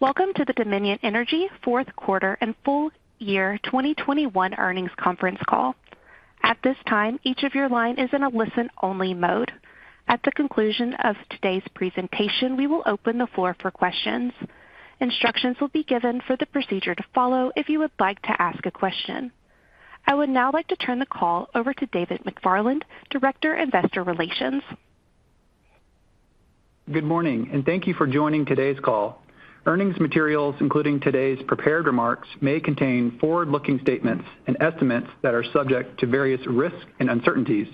Welcome to the Dominion Energy fourth quarter and full year 2021 earnings conference call. At this time, each of your lines is in a listen-only mode. At the conclusion of today's presentation, we will open the floor for questions. Instructions will be given for the procedure to follow if you would like to ask a question. I would now like to turn the call over to David McFarland, Director, Investor Relations. Good morning, and thank you for joining today's call. Earnings materials, including today's prepared remarks, may contain forward-looking statements and estimates that are subject to various risks and uncertainties.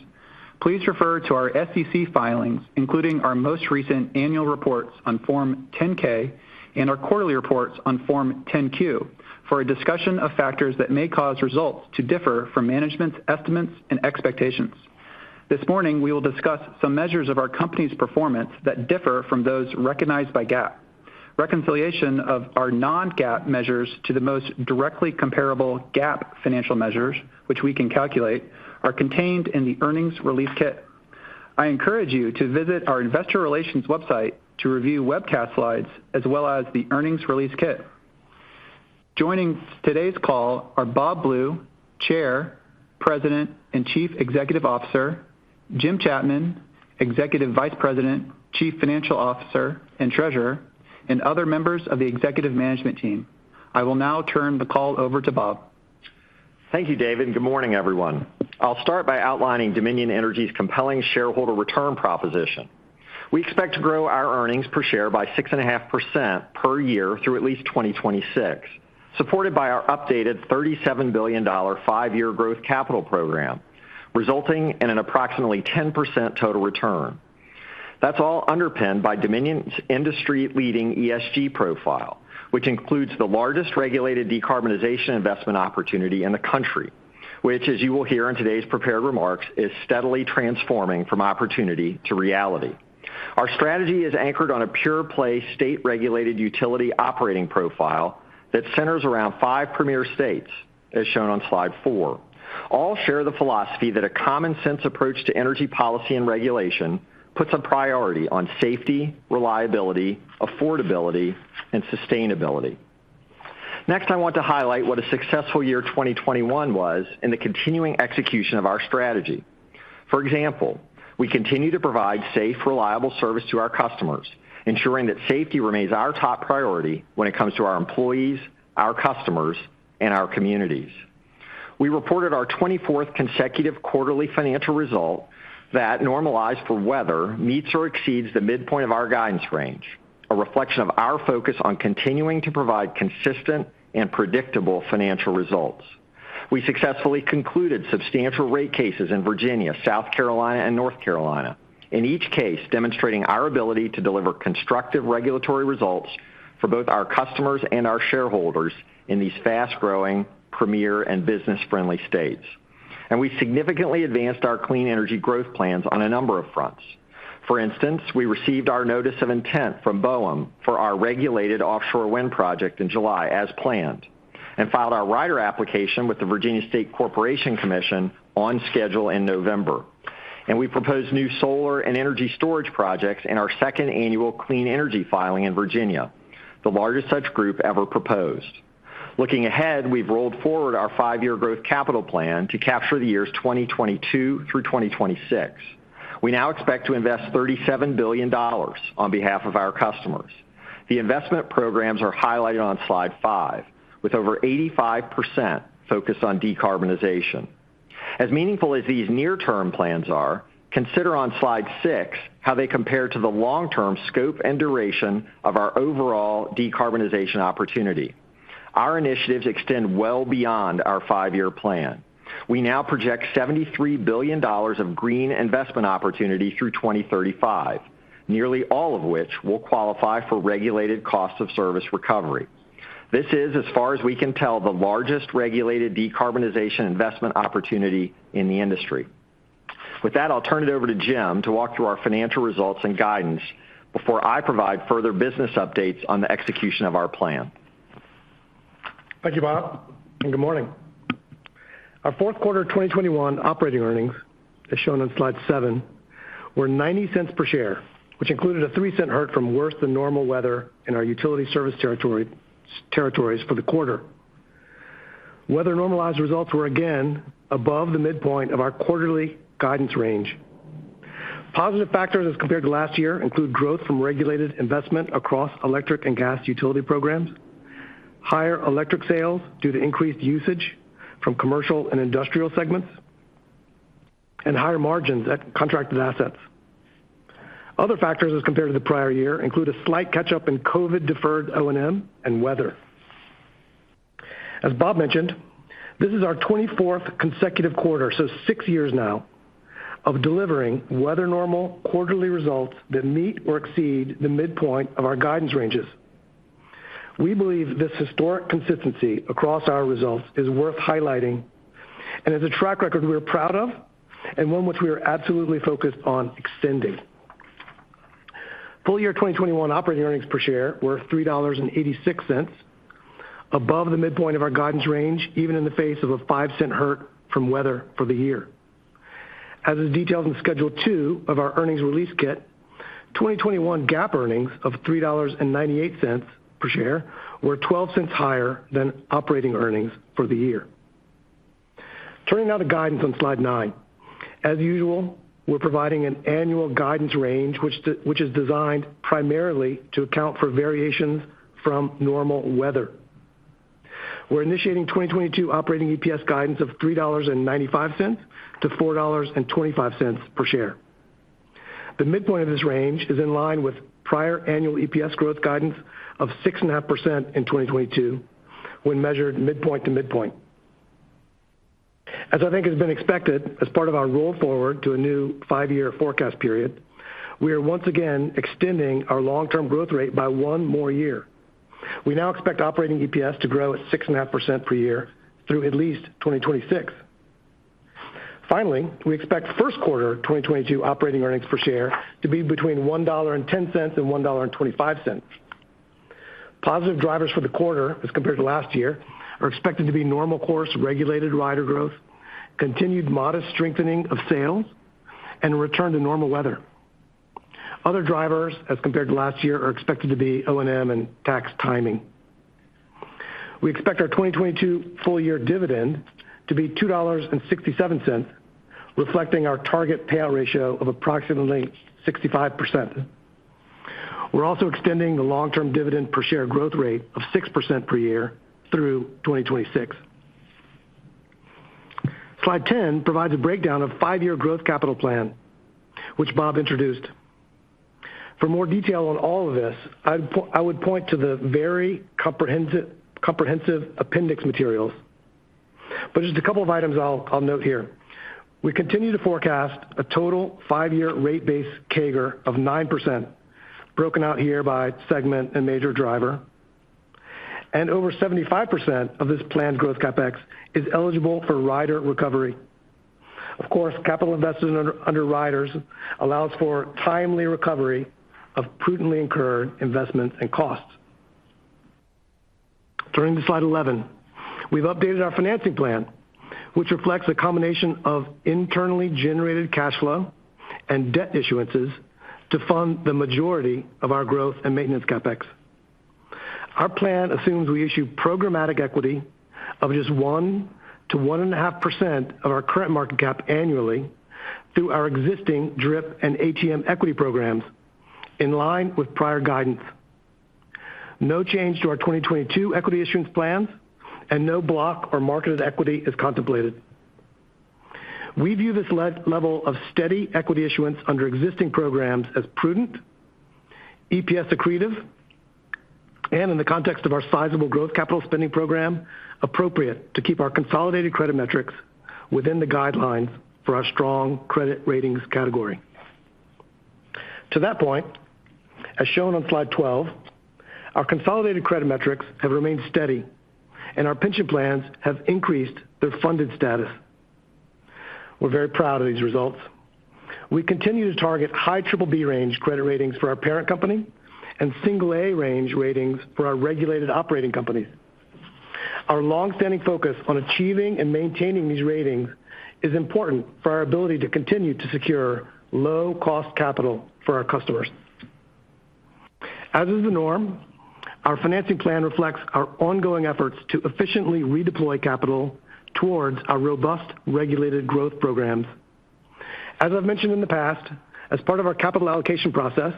Please refer to our SEC filings, including our most recent annual reports on Form 10-K and our quarterly reports on Form 10-Q, for a discussion of factors that may cause results to differ from management's estimates and expectations. This morning, we will discuss some measures of our company's performance that differ from those recognized by GAAP. Reconciliation of our non-GAAP measures to the most directly comparable GAAP financial measures, which we can calculate, are contained in the earnings release kit. I encourage you to visit our investor relations website to review webcast slides as well as the earnings release kit. Joining today's call are Bob Blue, Chair, President, and Chief Executive Officer, Jim Chapman, Executive Vice President, Chief Financial Officer, and Treasurer, and other members of the executive management team. I will now turn the call over to Bob. Thank you, David, and good morning, everyone. I'll start by outlining Dominion Energy's compelling shareholder return proposition. We expect to grow our earnings per share by 6.5% per year through at least 2026, supported by our updated $37 billion five-year growth capital program, resulting in an approximately 10% total return. That's all underpinned by Dominion's industry-leading ESG profile, which includes the largest regulated decarbonization investment opportunity in the country, which, as you will hear in today's prepared remarks, is steadily transforming from opportunity to reality. Our strategy is anchored on a pure-play state-regulated utility operating profile that centers around five premier states, as shown on slide four. All share the philosophy that a common-sense approach to energy policy and regulation puts a priority on safety, reliability, affordability, and sustainability. Next, I want to highlight what a successful year 2021 was in the continuing execution of our strategy. For example, we continue to provide safe, reliable service to our customers, ensuring that safety remains our top priority when it comes to our employees, our customers, and our communities. We reported our 24th consecutive quarterly financial result that normalized for weather meets or exceeds the midpoint of our guidance range, a reflection of our focus on continuing to provide consistent and predictable financial results. We successfully concluded substantial rate cases in Virginia, South Carolina, and North Carolina, in each case demonstrating our ability to deliver constructive regulatory results for both our customers and our shareholders in these fast-growing premier and business-friendly states. We significantly advanced our clean energy growth plans on a number of fronts. For instance, we received our notice of intent from BOEM for our regulated offshore wind project in July as planned and filed our rider application with the Virginia State Corporation Commission on schedule in November. We proposed new solar and energy storage projects in our second annual clean energy filing in Virginia, the largest such group ever proposed. Looking ahead, we've rolled forward our five-year growth capital plan to capture the years 2022 through 2026. We now expect to invest $37 billion on behalf of our customers. The investment programs are highlighted on slide five, with over 85% focused on decarbonization. As meaningful as these near-term plans are, consider on slide six how they compare to the long-term scope and duration of our overall decarbonization opportunity. Our initiatives extend well beyond our five-year plan. We now project $73 billion of green investment opportunity through 2035, nearly all of which will qualify for regulated cost of service recovery. This is, as far as we can tell, the largest regulated decarbonization investment opportunity in the industry. With that, I'll turn it over to Jim to walk through our financial results and guidance before I provide further business updates on the execution of our plan. Thank you, Bob, and good morning. Our fourth quarter of 2021 operating earnings, as shown on slide seven, were $0.90 per share, which included a $0.03 hit from worse than normal weather in our utility service territories for the quarter. Weather normalized results were again above the midpoint of our quarterly guidance range. Positive factors as compared to last year include growth from regulated investment across electric and gas utility programs, higher electric sales due to increased usage from commercial and industrial segments, and higher margins at contracted assets. Other factors as compared to the prior year include a slight catch-up in COVID deferred O&M and weather. As Bob mentioned, this is our 24th consecutive quarter, so six years now, of delivering weather normal quarterly results that meet or exceed the midpoint of our guidance ranges. We believe this historic consistency across our results is worth highlighting and is a track record we are proud of and one which we are absolutely focused on extending. Full year 2021 operating earnings per share were $3.86 above the midpoint of our guidance range, even in the face of a $0.05 Hit from weather for the year. As is detailed in Schedule 2 of our earnings release kit, 2021 GAAP earnings of $3.98 per share were $0.12 higher than operating earnings for the year. Turning now to guidance on slide nine. As usual, we're providing an annual guidance range which is designed primarily to account for variations from normal weather. We're initiating 2022 operating EPS guidance of $3.95-$4.25 per share. The midpoint of this range is in line with prior annual EPS growth guidance of 6.5% in 2022 when measured midpoint to midpoint. As I think has been expected, as part of our roll forward to a new five-year forecast period, we are once again extending our long-term growth rate by one more year. We now expect operating EPS to grow at 6.5% per year through at least 2026. Finally, we expect first quarter 2022 operating earnings per share to be between $1.10 and $1.25. Positive drivers for the quarter as compared to last year are expected to be normal course regulated rider growth, continued modest strengthening of sales, and return to normal weather. Other drivers as compared to last year are expected to be O&M and tax timing. We expect our 2022 full year dividend to be $2.67, reflecting our target payout ratio of approximately 65%. We're also extending the long-term dividend per share growth rate of 6% per year through 2026. Slide 10 provides a breakdown of five-year growth capital plan, which Bob introduced. For more detail on all of this, I would point to the very comprehensive appendix materials. But just a couple of items I'll note here. We continue to forecast a total five-year rate base CAGR of 9% broken out here by segment and major driver. Over 75% of this planned growth CapEx is eligible for rider recovery. Of course, capital invested under riders allows for timely recovery of prudently incurred investments and costs. Turning to slide 11. We've updated our financing plan, which reflects a combination of internally generated cash flow and debt issuances to fund the majority of our growth and maintenance CapEx. Our plan assumes we issue programmatic equity of just 1%-1.5% of our current market cap annually through our existing DRIP and ATM equity programs in line with prior guidance. No change to our 2022 equity issuance plans, and no block or marketed equity is contemplated. We view this level of steady equity issuance under existing programs as prudent, EPS accretive, and in the context of our sizable growth capital spending program, appropriate to keep our consolidated credit metrics within the guidelines for our strong credit ratings category. To that point, as shown on slide 12, our consolidated credit metrics have remained steady and our pension plans have increased their funded status. We're very proud of these results. We continue to target high triple B range credit ratings for our parent company and single A range ratings for our regulated operating companies. Our long-standing focus on achieving and maintaining these ratings is important for our ability to continue to secure low-cost capital for our customers. As is the norm, our financing plan reflects our ongoing efforts to efficiently redeploy capital towards our robust regulated growth programs. As I've mentioned in the past, as part of our capital allocation process,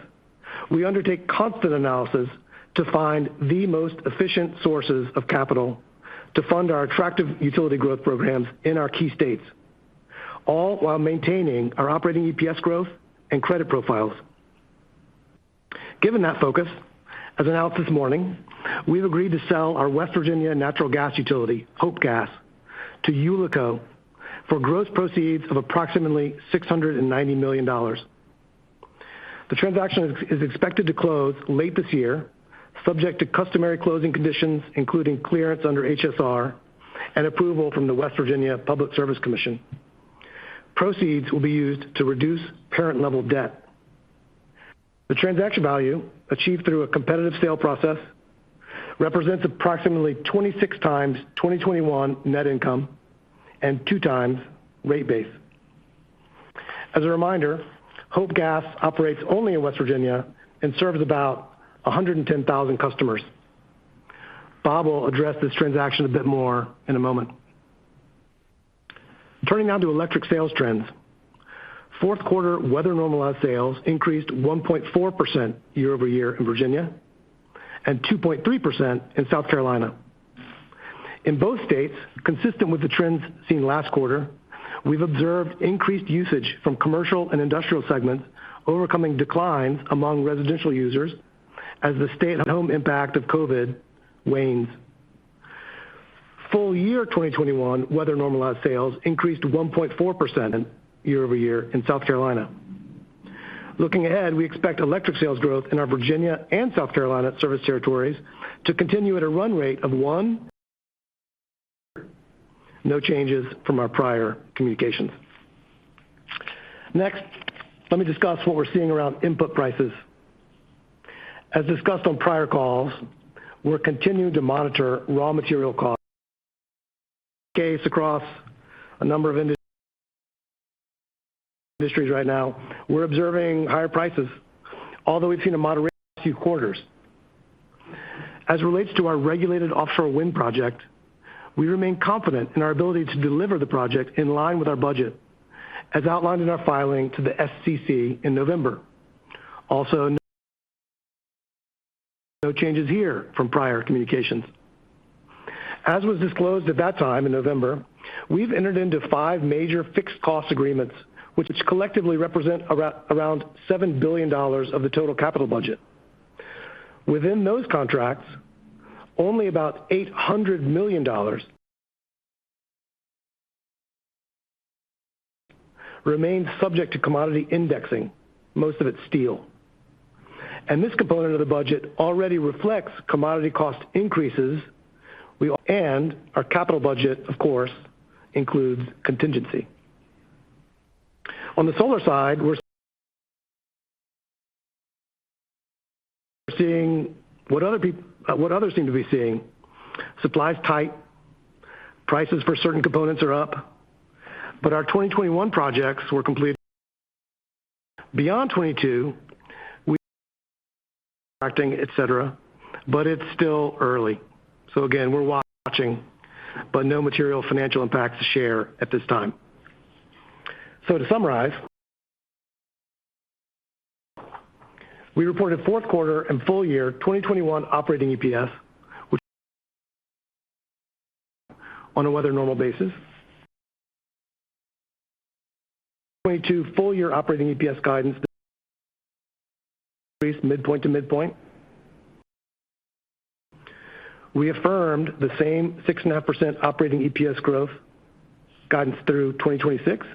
we undertake constant analysis to find the most efficient sources of capital to fund our attractive utility growth programs in our key states, all while maintaining our operating EPS growth and credit profiles. Given that focus, as announced this morning, we've agreed to sell our West Virginia Natural Gas utility, Hope Gas, to Ullico for gross proceeds of approximately $690 million. The transaction is expected to close late this year, subject to customary closing conditions, including clearance under HSR and approval from the Public Service Commission of West Virginia. Proceeds will be used to reduce parent level debt. The transaction value achieved through a competitive sale process represents approximately 26x 2021 net income and 2x rate base. As a reminder, Hope Gas operates only in West Virginia and serves about 110,000 customers. Bob will address this transaction a bit more in a moment. Turning now to electric sales trends. Fourth quarter weather normalized sales increased 1.4% year-over-year in Virginia and 2.3% in South Carolina. In both states, consistent with the trends seen last quarter, we've observed increased usage from commercial and industrial segments, overcoming declines among residential users as the stay-at-home impact of COVID wanes. Full year 2021 weather normalized sales increased 1.4% year-over-year in South Carolina. Looking ahead, we expect electric sales growth in our Virginia and South Carolina service territories to continue at a run rate of 1%, no changes from our prior communications. Next, let me discuss what we're seeing around input prices. As discussed on prior calls, we're continuing to monitor raw material costs. Across a number of industries right now, we're observing higher prices, although we've seen a moderation in the last few quarters. As it relates to our regulated offshore wind project, we remain confident in our ability to deliver the project in line with our budget as outlined in our filing to the SCC in November. Also, no changes here from prior communications. As was disclosed at that time in November, we've entered into five major fixed cost agreements, which collectively represent around $7 billion of the total capital budget. Within those contracts, only about $800 million remains subject to commodity indexing, most of it steel. This component of the budget already reflects commodity cost increases. Our capital budget, of course, includes contingency. On the solar side, we're seeing what others seem to be seeing. Supply is tight. Prices for certain components are up. Our 2021 projects were completed. Beyond 2022, we are contracting, etc. It's still early. Again, we're watching, but no material financial impacts to share at this time. To summarize. We reported fourth quarter and full year 2021 operating EPS, which, on a weather-normal basis, 2022 full year operating EPS guidance midpoint to midpoint. We affirmed the same 6.5% operating EPS growth guidance through 2026.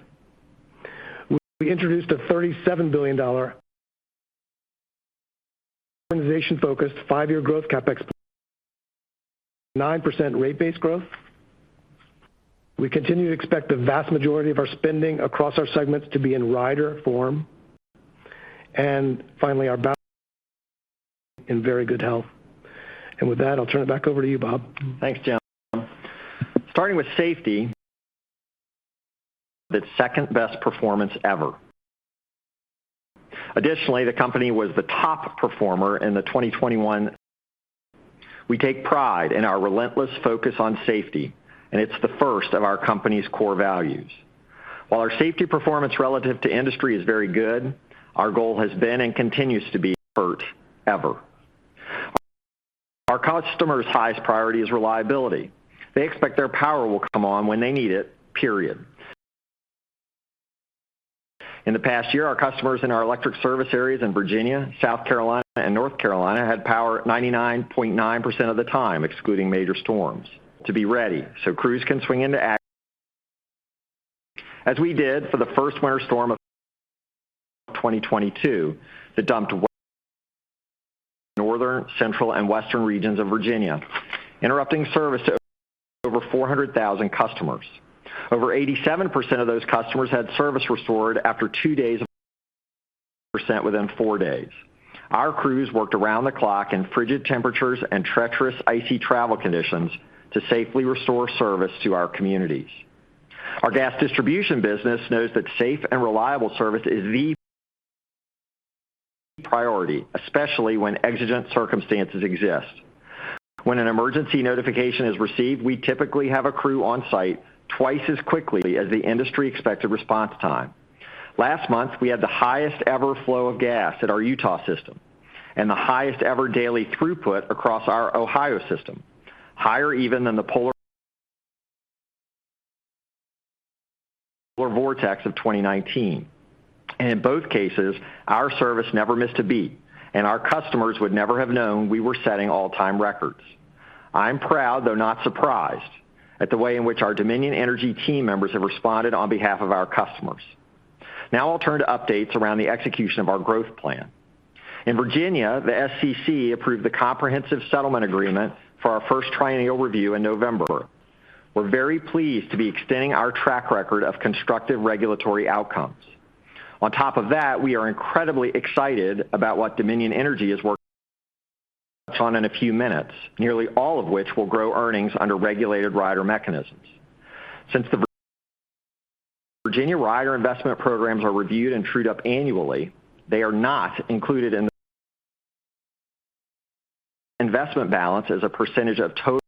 We introduced a $37 billion organization-focused five-year growth CapEx plan, 9% rate-based growth. We continue to expect the vast majority of our spending across our segments to be in rider form. Finally, our balance sheet in very good health. With that, I'll turn it back over to you, Bob. Thanks, Jim. Starting with safety. The second-best performance ever. Additionally, the company was the top performer in the 2021. We take pride in our relentless focus on safety, and it's the first of our company's core values. While our safety performance relative to industry is very good, our goal has been and continues to be hurt-free ever. Our customers' highest priority is reliability. They expect their power will come on when they need it, period. In the past year, our customers in our electric service areas in Virginia, South Carolina, and North Carolina had power 99.9% of the time, excluding major storms. To be ready so crews can swing into action as we did for the first winter storm of 2022 that dumped northern, central, and western regions of Virginia, interrupting service to over 400,000 customers. Over 87% of those customers had service restored after two days, and 99% within four days. Our crews worked around the clock in frigid temperatures and treacherous icy travel conditions to safely restore service to our communities. Our gas distribution business knows that safe and reliable service is the priority, especially when exigent circumstances exist. When an emergency notification is received, we typically have a crew on-site twice as quickly as the industry expected response time. Last month, we had the highest ever flow of gas at our Utah system and the highest ever daily throughput across our Ohio system, higher even than the polar vortex of 2019. In both cases, our service never missed a beat, and our customers would never have known we were setting all-time records. I'm proud, though not surprised, at the way in which our Dominion Energy team members have responded on behalf of our customers. Now I'll turn to updates around the execution of our growth plan. In Virginia, the SCC approved the comprehensive settlement agreement for our first triennial review in November. We're very pleased to be extending our track record of constructive regulatory outcomes. On top of that, we are incredibly excited about what Dominion Energy is working on in a few minutes, nearly all of which will grow earnings under regulated rider mechanisms. Since the Virginia rider investment programs are reviewed and trued up annually, they are not included in the investment balance as a percentage of total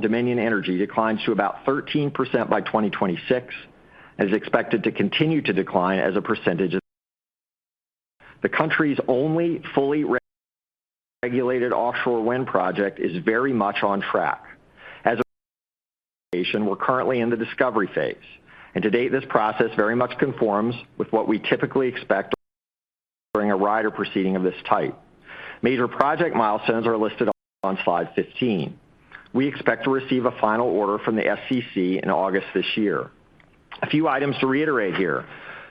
Dominion Energy declines to about 13% by 2026 and is expected to continue to decline as a percentage. The country's only fully regulated offshore wind project is very much on track. As a nation, we're currently in the discovery phase, and to date, this process very much conforms with what we typically expect during a rider proceeding of this type. Major project milestones are listed on slide 15. We expect to receive a final order from the SCC in August this year. A few items to reiterate here.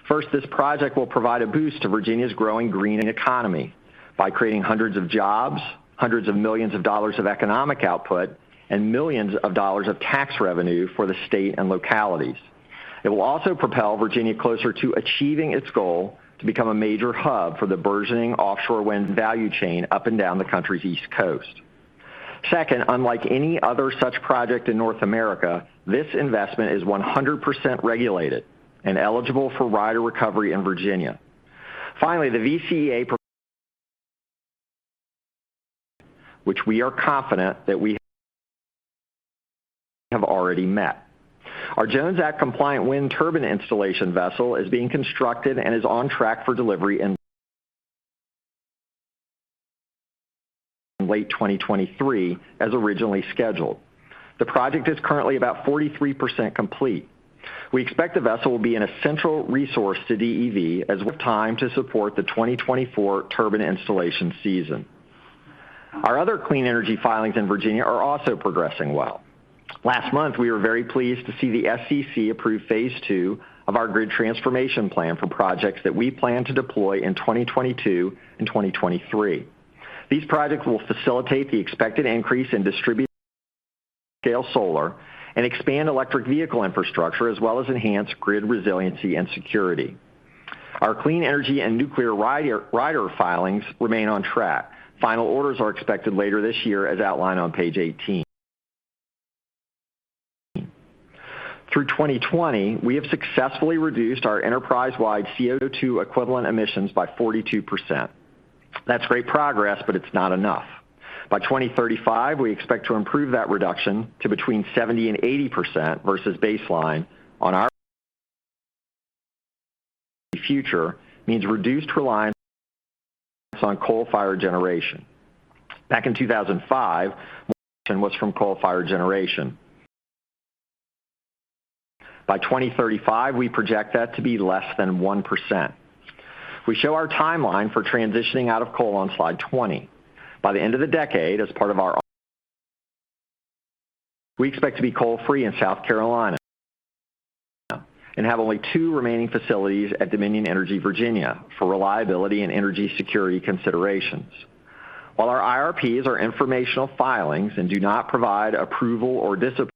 First, this project will provide a boost to Virginia's growing green economy by creating hundreds of jobs, hundreds of millions dollars of economic output, and millions of dollars of tax revenue for the state and localities. It will also propel Virginia closer to achieving its goal to become a major hub for the burgeoning offshore wind value chain up and down the country's East Coast. Second, unlike any other such project in North America, this investment is 100% regulated and eligible for rider recovery in Virginia. Finally, the VCEA, which we are confident that we have already met. Our Jones Act-compliant wind turbine installation vessel is being constructed and is on track for delivery in late 2023 as originally scheduled. The project is currently about 43% complete. We expect the vessel will be an essential resource to DEV as with time to support the 2024 turbine installation season. Our other clean energy filings in Virginia are also progressing well. Last month, we were very pleased to see the SEC approve phase two of our grid transformation plan for projects that we plan to deploy in 2022 and 2023. These projects will facilitate the expected increase in distributed scale solar and expand electric vehicle infrastructure as well as enhance grid resiliency and security. Our clean energy and nuclear rider filings remain on track. Final orders are expected later this year as outlined on page 18. Through 2020, we have successfully reduced our enterprise-wide CO₂ equivalent emissions by 42%. That's great progress, but it's not enough. By 2035, we expect to improve that reduction to between 70% and 80% versus baseline. Our future means reduced reliance on coal-fired generation. Back in 2005, it was from coal-fired generation. By 2035, we project that to be less than 1%. We show our timeline for transitioning out of coal on slide 20. By the end of the decade, as part of our, we expect to be coal-free in South Carolina and have only two remaining facilities at Dominion Energy Virginia for reliability and energy security considerations. While our IRPs are informational filings and do not provide approval or disapproval,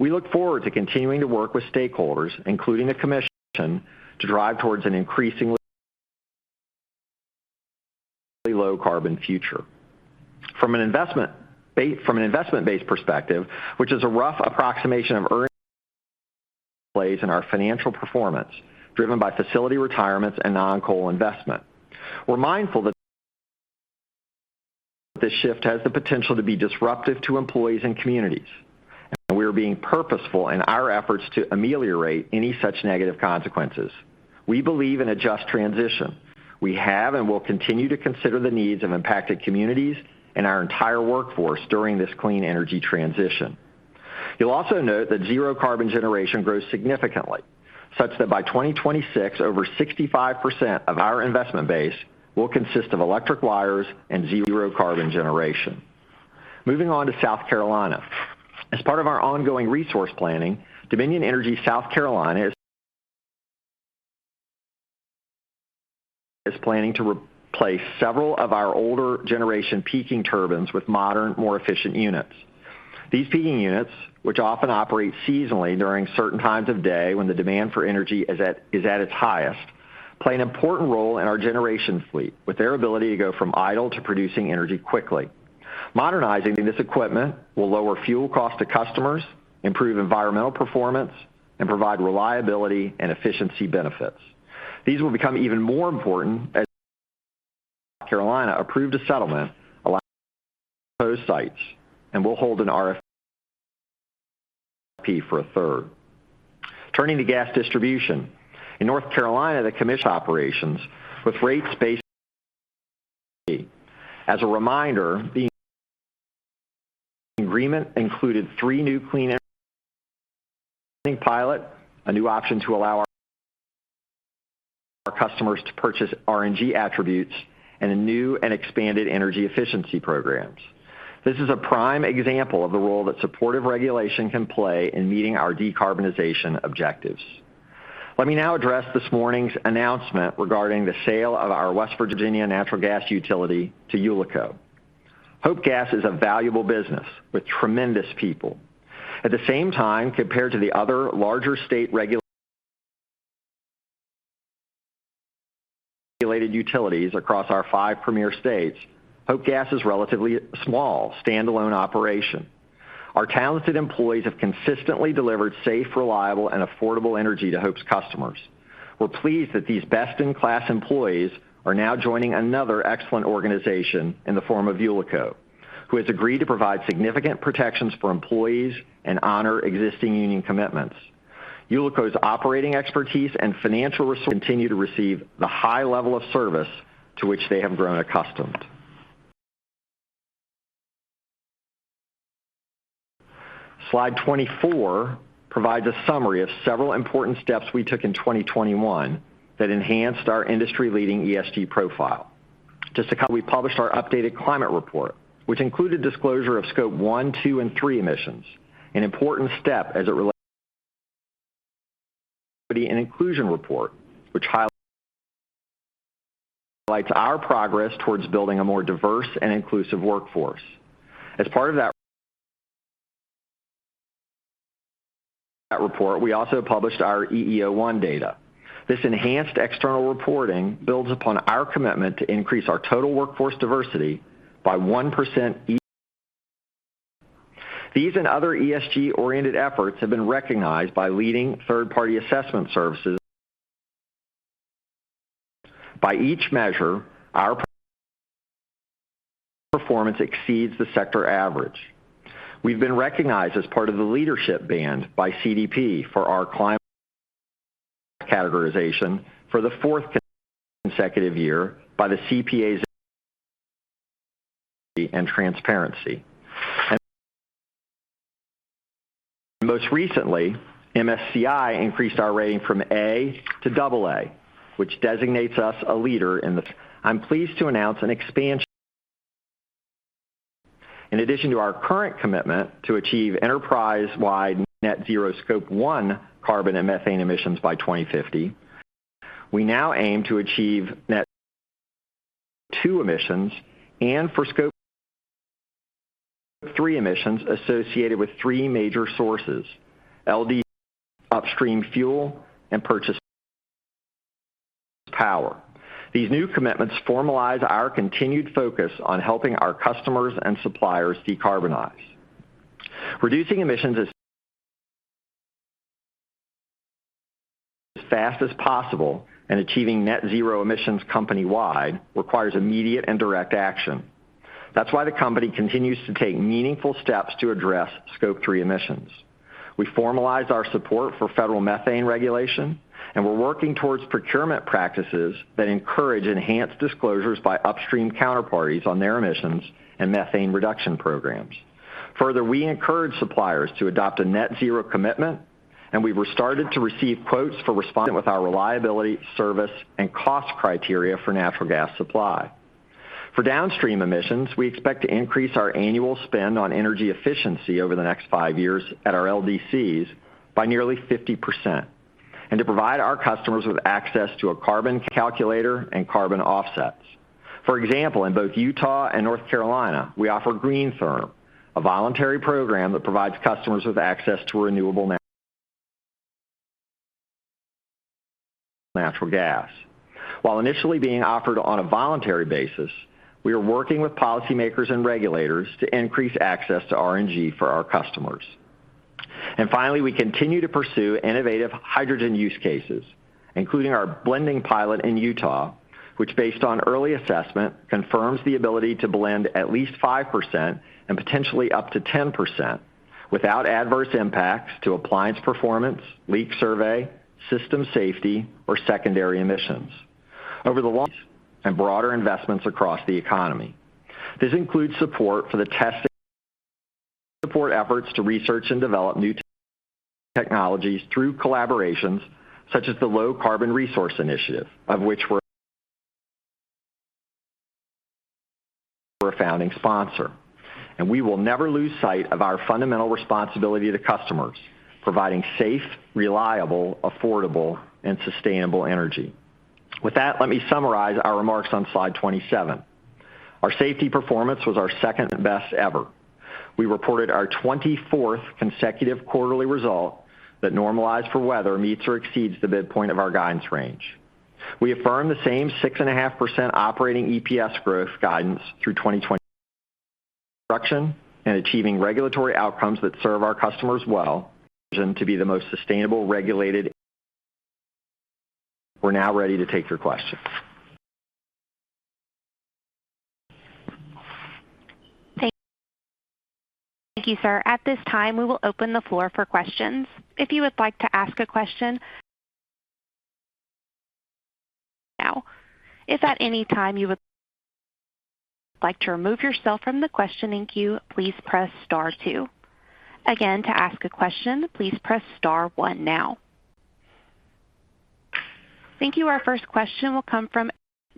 we look forward to continuing to work with stakeholders, including the commission, to drive towards an increasingly low carbon future. From an investment base, from an investment-based perspective, which is a rough approximation of earnings plays in our financial performance driven by facility retirements and non-coal investment. We're mindful that the shift has the potential to be disruptive to employees and communities, and we are being purposeful in our efforts to ameliorate any such negative consequences. We believe in a just transition. We have and will continue to consider the needs of impacted communities and our entire workforce during this clean energy transition. You'll also note that zero carbon generation grows significantly, such that by 2026, over 65% of our investment base will consist of electric wires and zero carbon generation. Moving on to South Carolina. As part of our ongoing resource planning, Dominion Energy South Carolina is planning to replace several of our older generation peaking turbines with modern, more efficient units. These peaking units, which often operate seasonally during certain times of day when the demand for energy is at its highest, play an important role in our generation fleet with their ability to go from idle to producing energy quickly. Modernizing this equipment will lower fuel costs to customers, improve environmental performance, and provide reliability and efficiency benefits. These will become even more important as South Carolina approved a settlement allowing those sites and will hold an RFP for a third. Turning to gas distribution. In North Carolina, the commission operations with rates based. As a reminder, the agreement included three new clean-energy pilots, a new option to allow our customers to purchase RNG attributes, and a new and expanded energy efficiency programs. This is a prime example of the role that supportive regulation can play in meeting our decarbonization objectives. Let me now address this morning's announcement regarding the sale of our West Virginia Natural Gas utility to Ullico. Hope Gas is a valuable business with tremendous people. At the same time, compared to the other larger state regulated utilities across our five premier states, Hope Gas is a relatively small standalone operation. Our talented employees have consistently delivered safe, reliable, and affordable energy to Hope's customers. We're pleased that these best-in-class employees are now joining another excellent organization in the form of Ullico, who has agreed to provide significant protections for employees and honor existing union commitments. Ullico's operating expertise and financial resources will ensure Hope Gas customers continue to receive the high level of service to which they have grown accustomed. Slide 24 provides a summary of several important steps we took in 2021 that enhanced our industry-leading ESG profile. Just a couple, we published our updated climate report, which included disclosure of Scope 1, 2, and 3 emissions, an important step as it relates to ESG, and our diversity and inclusion report, which highlights our progress towards building a more diverse and inclusive workforce. As part of that report, we also published our EEO1 data. This enhanced external reporting builds upon our commitment to increase our total workforce diversity by 1%. These and other ESG-oriented efforts have been recognized by leading third-party assessment services. By each measure, our performance exceeds the sector average. We've been recognized as part of the leadership band by CDP for our climate categorization for the fourth consecutive year by the CPA-Zicklin for transparency. Most recently, MSCI increased our rating from A to AA, which designates us a leader in the. I'm pleased to announce an expansion. In addition to our current commitment to achieve enterprise-wide net zero Scope 1 carbon and methane emissions by 2050, we now aim to achieve net zero Scope 2 emissions and Scope 3 emissions associated with three major sources: LDC, upstream fuel, and purchased power. These new commitments formalize our continued focus on helping our customers and suppliers decarbonize. Reducing emissions as fast as possible and achieving net zero emissions company-wide requires immediate and direct action. That's why the company continues to take meaningful steps to address Scope 3 emissions. We formalize our support for federal methane regulation, and we're working towards procurement practices that encourage enhanced disclosures by upstream counterparties on their emissions and methane reduction programs. Further, we encourage suppliers to adopt a net zero commitment, and we've started to receive quotes for responding with our reliability, service, and cost criteria for natural gas supply. For downstream emissions, we expect to increase our annual spend on energy efficiency over the next five years at our LDCs by nearly 50% and to provide our customers with access to a carbon calculator and carbon offsets. For example, in both Utah and North Carolina, we offer GreenTherm, a voluntary program that provides customers with access to renewable natural gas. While initially being offered on a voluntary basis, we are working with policymakers and regulators to increase access to RNG for our customers. Finally, we continue to pursue innovative hydrogen use cases, including our blending pilot in Utah, which based on early assessment, confirms the ability to blend at least 5% and potentially up to 10% without adverse impacts to appliance performance, leak survey, system safety, or secondary emissions. Over the long term and broader investments across the economy. This includes support for the tech support efforts to research and develop new technologies through collaborations such as the Low-Carbon Resources Initiative, of which we're a founding sponsor. We will never lose sight of our fundamental responsibility to customers, providing safe, reliable, affordable, and sustainable energy. With that, let me summarize our remarks on slide 27. Our safety performance was our second-best ever. We reported our 24th consecutive quarterly result that normalized for weather meets or exceeds the midpoint of our guidance range. We affirm the same 6.5% operating EPS growth guidance through 2020 and achieving regulatory outcomes that serve our customers well to be the most sustainable regulated. We're now ready to take your questions. Thank you, sir. At this time, we will open the floor for questions. If you would like to ask a question now. If at any time you would like to remove yourself from the questioning queue, please press star two. Again, to ask a question, please press star one now. Thank you. Our first question will come from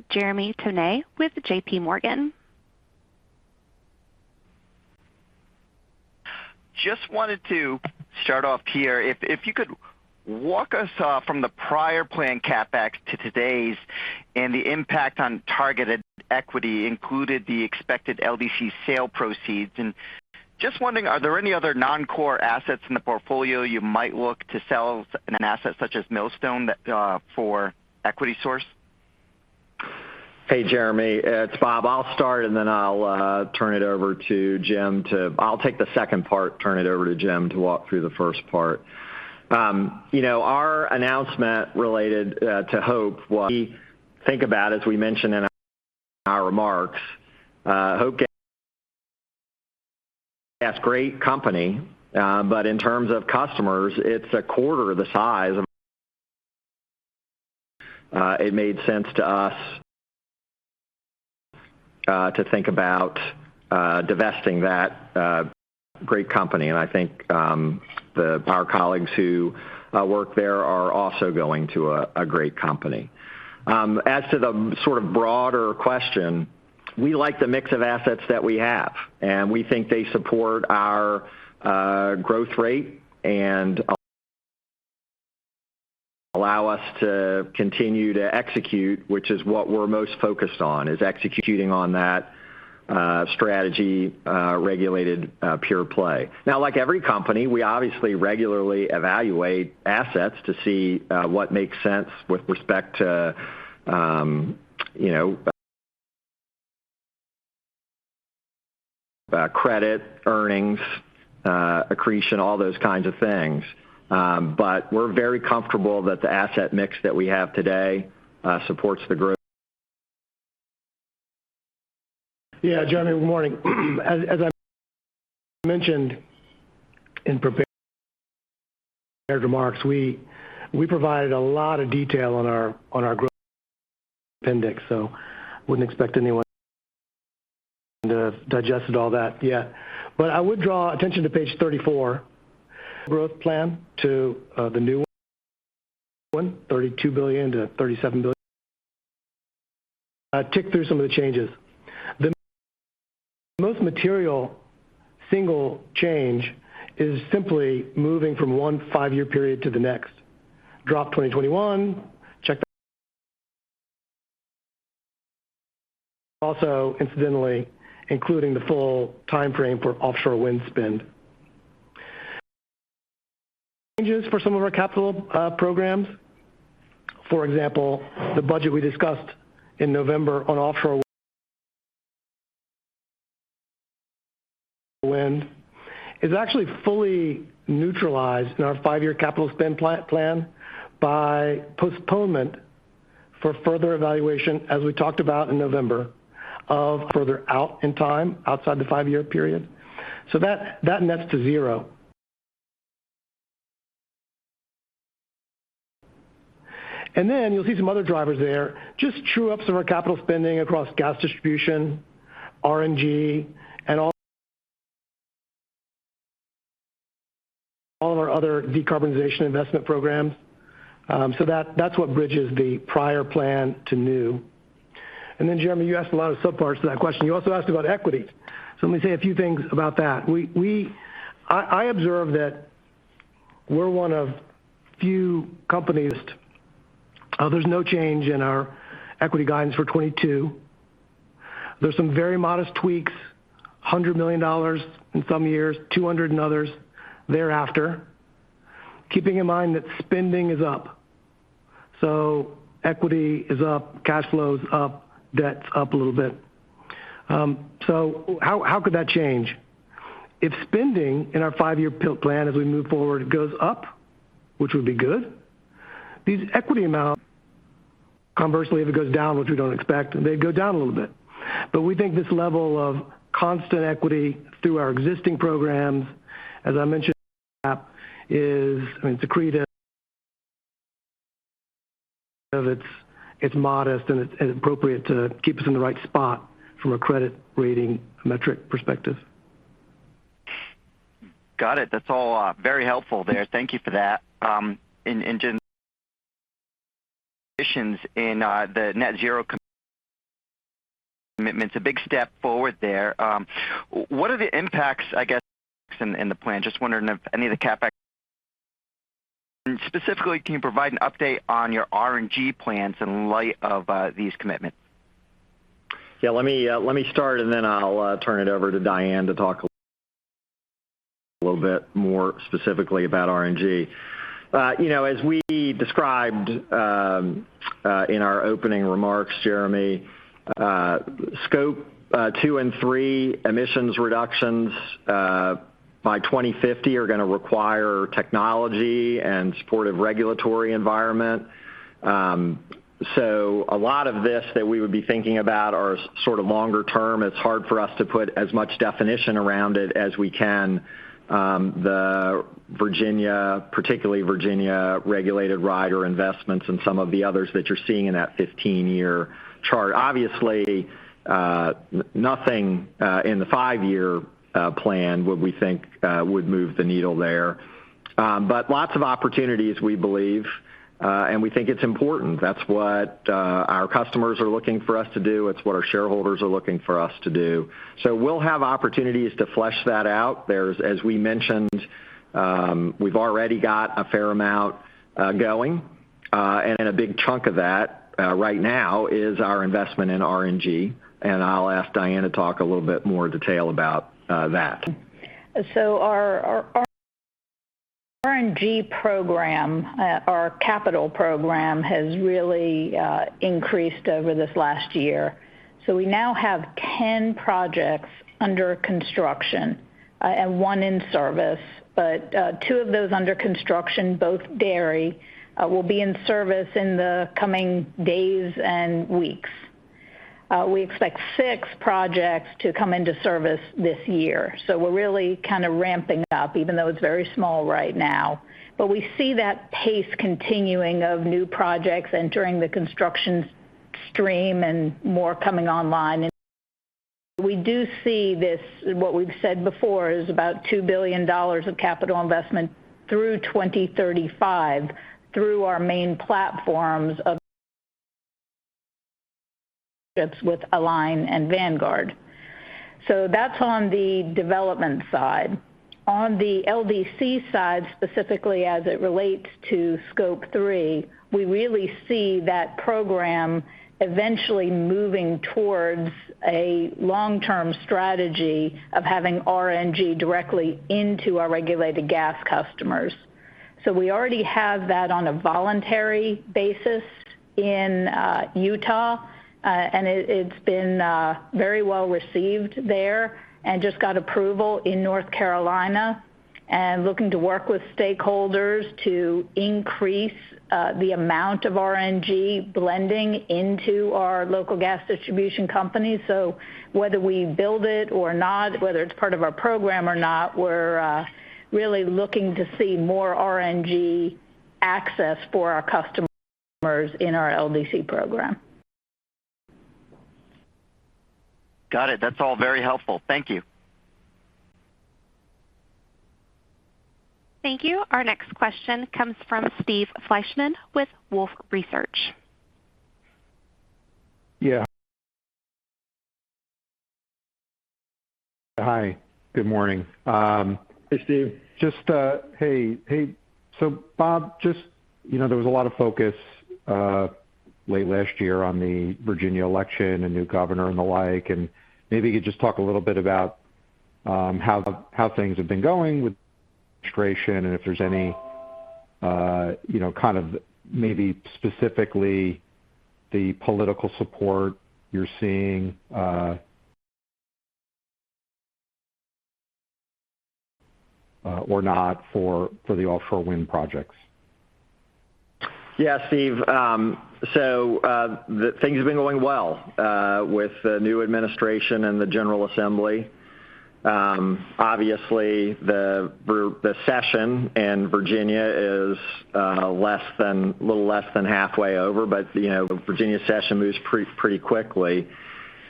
Jeremy Tonet with JPMorgan. Just wanted to start off here. If you could walk us from the prior plan CapEx to today's and the impact on targeted equity, including the expected LDC sale proceeds. Just wondering, are there any other non-core assets in the portfolio you might look to sell an asset such as Millstone that for equity source? Hey, Jeremy. It's Bob. I'll start, and then I'll take the second part, turn it over to Jim to walk through the first part. You know, our announcement related to Hope, we think about, as we mentioned in our remarks, Hope great company, but in terms of customers, it's a quarter of the size. It made sense to us to think about divesting that great company. I think our colleagues who work there are also going to a great company. As to the sort of broader question, we like the mix of assets that we have, and we think they support our growth rate and allow us to continue to execute, which is what we're most focused on, is executing on that strategy, regulated pure play. Now, like every company, we obviously regularly evaluate assets to see what makes sense with respect to, you know, credit, earnings, accretion, all those kinds of things. But we're very comfortable that the asset mix that we have today supports the growth. Jeremy, good morning. As I mentioned in prepared remarks, we provided a lot of detail on our growth appendix, so wouldn't expect anyone to have digested all that yet. I would draw attention to page 34, growth plan to the new $32 billion-$37 billion. I tick through some of the changes. The most material single change is simply moving from one five-year period to the next. Drop 2021, check that. Also incidentally including the full timeframe for offshore wind spend. Changes for some of our capital programs. For example, the budget we discussed in November on offshore wind is actually fully neutralized in our five-year capital spend plan by postponement for further evaluation, as we talked about in November of further out in time outside the five-year period. So that nets to zero. You'll see some other drivers there, just true ups of our capital spending across gas distribution, RNG, and all of our other decarbonization investment programs. That's what bridges the prior plan to new. Jeremy, you asked a lot of subparts to that question. You also asked about equity. Lemme say a few things about that. I observe that we're one of few companies. There's no change in our equity guidance for 2022. There's some very modest tweaks, $100 million in some years, $200 million in others thereafter. Keeping in mind that spending is up, so equity is up, cash flow is up, debt's up a little bit. How could that change? If spending in our five-year plan as we move forward goes up, which would be good, these equity amounts, conversely, if it goes down, which we don't expect, they go down a little bit. We think this level of constant equity through our existing programs, as I mentioned in the chat, is, I mean, it's accretive. It's modest and appropriate to keep us in the right spot from a credit rating metric perspective. Got it. That's all very helpful there. Thank you for that. And Jeremy, additions in the net zero commitments, a big step forward there. What are the impacts, I guess, in the plan? Just wondering if any of the CapEx. Specifically, can you provide an update on your RNG plans in light of these commitments? Yeah. Let me start, and then I'll turn it over to Diane to talk a little bit more specifically about RNG. You know, as we described in our opening remarks, Jeremy, Scope 2 and 3 emissions reductions by 2050 are gonna require technology and supportive regulatory environment. A lot of this that we would be thinking about are sort of longer term. It's hard for us to put as much definition around it as we can. Virginia, particularly Virginia-regulated rider investments and some of the others that you're seeing in that 15-year chart. Obviously, nothing in the five-year plan would we think would move the needle there. Lots of opportunities we believe, and we think it's important. That's what our customers are looking for us to do. It's what our shareholders are looking for us to do. We'll have opportunities to flesh that out. There's, as we mentioned, we've already got a fair amount going, and a big chunk of that right now is our investment in RNG, and I'll ask Diane to talk a little bit more detail about that. Our RNG program, our capital program has really increased over this last year. We now have 10 projects under construction, and one in service. Two of those under construction, both dairy, will be in service in the coming days and weeks. We expect six projects to come into service this year, so we're really kind of ramping up even though it's very small right now. We see that pace continuing of new projects and during the construction stream and more coming online. We do see this, what we've said before, is about $2 billion of capital investment through 2035 through our main platforms with Align and Vanguard. That's on the development side. On the LDC side, specifically as it relates to Scope 3, we really see that program eventually moving towards a long-term strategy of having RNG directly into our regulated gas customers. We already have that on a voluntary basis in Utah, and it's been very well received there and just got approval in North Carolina and looking to work with stakeholders to increase the amount of RNG blending into our local gas distribution company. Whether we build it or not, whether it's part of our program or not, we're really looking to see more RNG access for our customers in our LDC program. Got it. That's all very helpful. Thank you. Thank you. Our next question comes from Steve Fleishman with Wolfe Research. Yeah. Hi, good morning. Hey, Steve. Hey. Bob, just, you know, there was a lot of focus late last year on the Virginia election and new governor and the like, and maybe you could just talk a little bit about how things have been going with administration and if there's any, you know, kind of maybe specifically the political support you're seeing or not for the offshore wind projects. Yeah, Steve. The things have been going well with the new administration and the General Assembly. Obviously, the session in Virginia is a little less than halfway over, but you know, the Virginia session moves pretty quickly.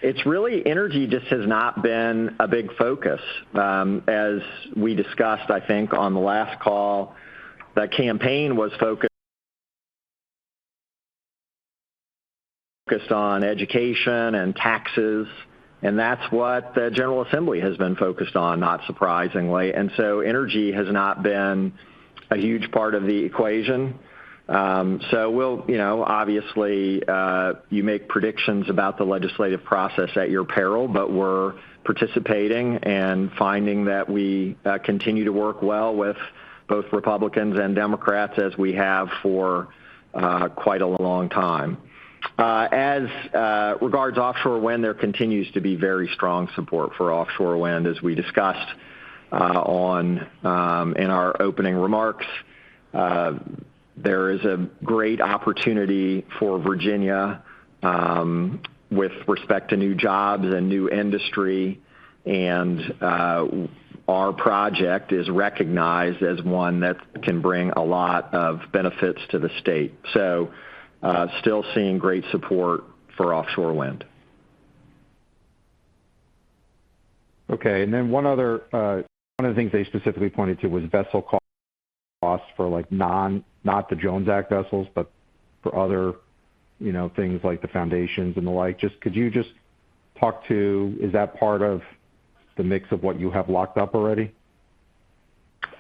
It's really energy just has not been a big focus. As we discussed, I think on the last call, the campaign was focused on education and taxes, and that's what the General Assembly has been focused on, not surprisingly. Energy has not been a huge part of the equation. We'll, you know, obviously, you make predictions about the legislative process at your peril, but we're participating and finding that we continue to work well with both Republicans and Democrats as we have for quite a long time. As regards offshore wind, there continues to be very strong support for offshore wind, as we discussed in our opening remarks. There is a great opportunity for Virginia with respect to new jobs and new industry and our project is recognized as one that can bring a lot of benefits to the state. Still seeing great support for offshore wind. Okay. One other of the things they specifically pointed to was vessel costs for like not the Jones Act vessels, but for other, you know, things like the foundations and the like. Could you just talk to whether that is part of the mix of what you have locked up already?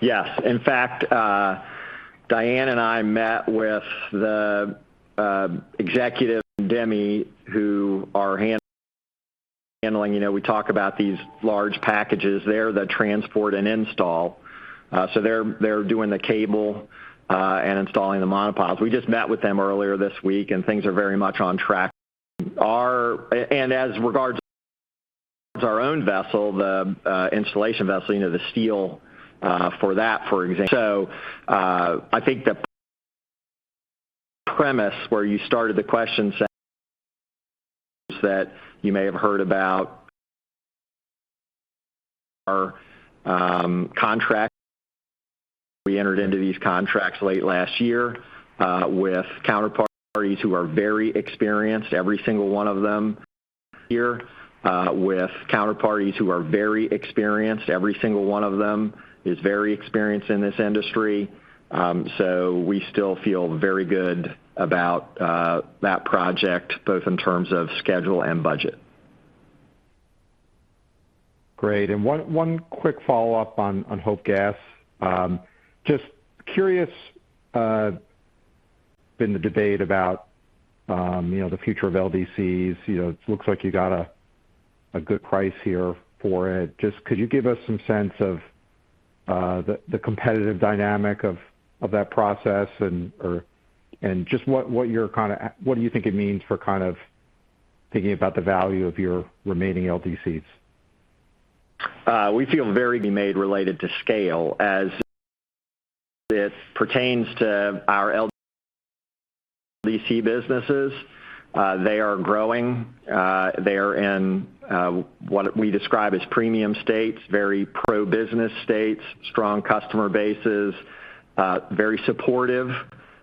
Yes. In fact, Diane and I met with the executive DEME, who are handling, you know, we talk about these large packages there that transport and install. So they're doing the cable and installing the monopiles. We just met with them earlier this week, and things are very much on track. As regards our own vessel, the installation vessel, you know, the steel for that, for example. I think the premise where you started the question saying that you may have heard about our contract, we entered into these contracts late last year with counterparties who are very experienced. Every single one of them is very experienced in this industry. We still feel very good about that project, both in terms of schedule and budget. Great. One quick follow-up on Hope Gas. Just curious, given the debate about, you know, the future of LDCs. You know, it looks like you got a good price here for it. Just could you give us some sense of the competitive dynamic of that process and/or and just what you think it means for kind of thinking about the value of your remaining LDCs? We feel very good related to scale as it pertains to our LDC businesses. They are growing. They are in what we describe as premium states, very pro-business states, strong customer bases, very supportive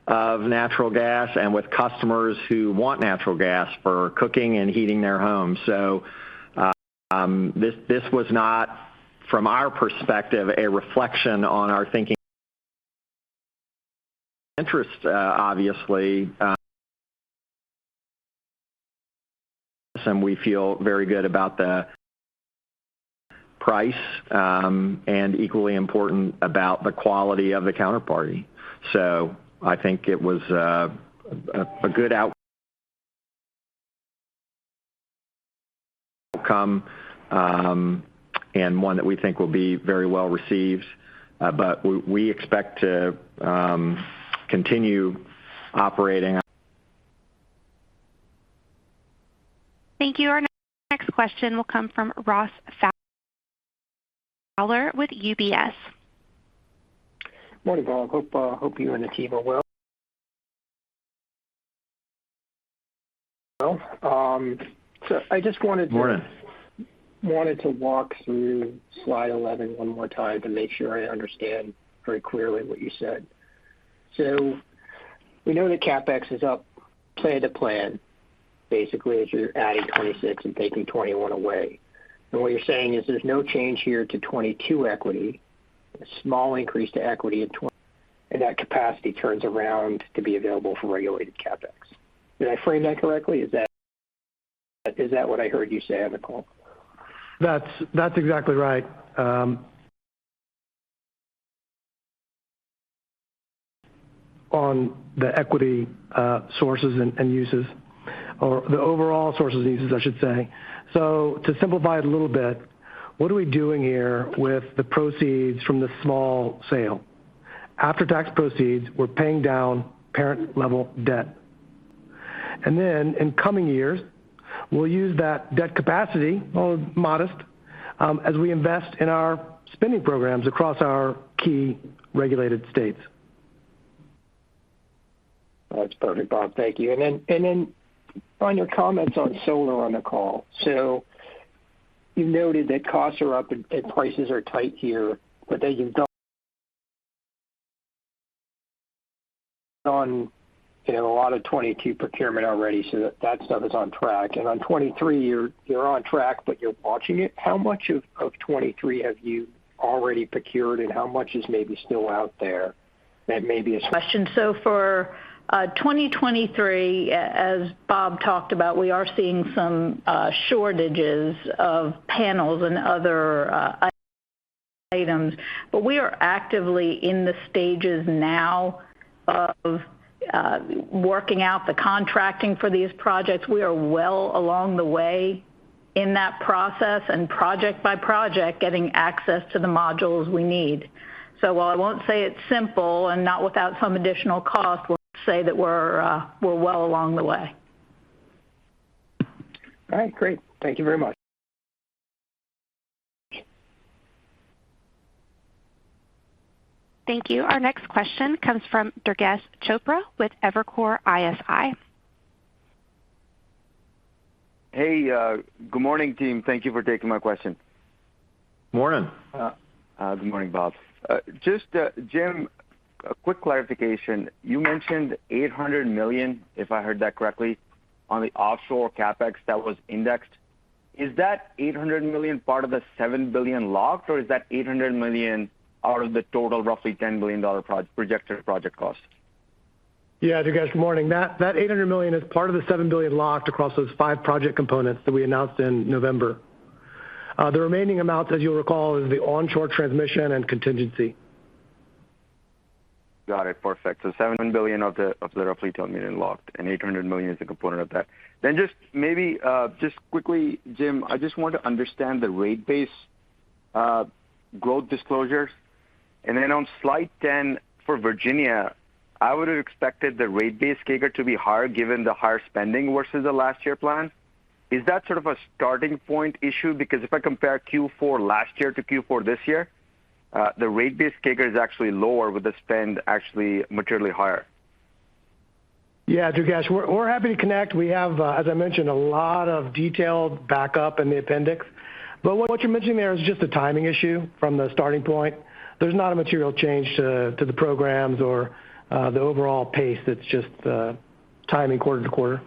of natural gas and with customers who want natural gas for cooking and heating their homes. This was not, from our perspective, a reflection on our thinking or interest, obviously, and we feel very good about the price, and equally important about the quality of the counterparty. I think it was a good outcome, and one that we think will be very well received. We expect to continue operating. Thank you. Our next question will come from Ross Fowler with UBS. Morning, Bob. Hope you and the team are well. I just wanted to. Morning. Wanted to walk through slide 11 one more time to make sure I understand very clearly what you said. We know the CapEx is up plan to plan, basically, as you're adding 26 and taking 21 away. What you're saying is there's no change here to 22 equity, a small increase to equity in twenty-three and that capacity turns around to be available for regulated CapEx. Did I frame that correctly? Is that what I heard you say on the call? That's exactly right. On the equity, sources and uses or the overall sources and uses, I should say. To simplify it a little bit, what are we doing here with the proceeds from the small sale? After-tax proceeds, we're paying down parent level debt. Then in coming years, we'll use that debt capacity, modest, as we invest in our spending programs across our key regulated states. That's perfect, Bob. Thank you. On your comments on solar on the call. You noted that costs are up and prices are tight here, but that you've done, you know, a lot of 2022 procurement already, so that stuff is on track. On 2023, you're on track, but you're watching it. How much of 2023 have you already procured, and how much is maybe still out there? Question. For 2023, as Bob talked about, we are seeing some shortages of panels and other items. We are actively in the stages now of working out the contracting for these projects. We are well along the way in that process, and project by project getting access to the modules we need. While I won't say it's simple and not without some additional cost, we'll say that we're well along the way. All right, great. Thank you very much. Thank you. Our next question comes from Durgesh Chopra with Evercore ISI. Hey, good morning, team. Thank you for taking my question. Morning. Good morning, Bob. Just, Jim, a quick clarification. You mentioned $800 million, if I heard that correctly, on the offshore CapEx that was indexed. Is that $800 million part of the $7 billion locked, or is that $800 million out of the total roughly $10 billion projected project cost? Yeah, Durgesh, morning. That $800 million is part of the $7 billion locked across those five project components that we announced in November. The remaining amounts, as you'll recall, is the onshore transmission and contingency. Got it. Perfect. $7 billion of the roughly $10 billion locked, and $800 million is a component of that. Just maybe, just quickly, Jim, I just want to understand the rate base growth disclosures. On slide 10 for Virginia, I would have expected the rate base CAGR to be higher given the higher spending versus the last year plan. Is that sort of a starting point issue? Because if I compare Q4 last year to Q4 this year, the rate base CAGR is actually lower with the spend actually materially higher. Yeah. Durgesh, we're happy to connect. We have, as I mentioned, a lot of detailed backup in the appendix. What you're mentioning there is just a timing issue from the starting point. There's not a material change to the programs or the overall pace. It's just timing quarter to quarter.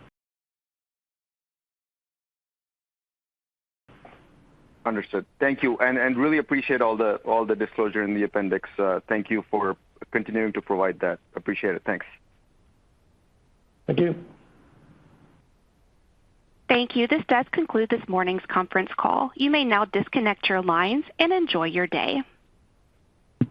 Understood. Thank you. Really appreciate all the disclosure in the appendix. Thank you for continuing to provide that. Appreciate it. Thanks. Thank you. Thank you. This does conclude this morning's conference call. You may now disconnect your lines and enjoy your day.